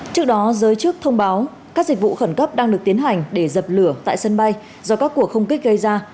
trước đó giới chức thông báo các dịch vụ khẩn cấp đang được tiến hành để dập lửa tại sân bay do các cuộc không kích gây ra